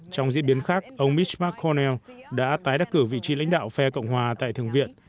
trong diễn biến khác ông mitch mcconnell đã tái đắc cử vị trí lãnh đạo phe cộng hòa tại thường viện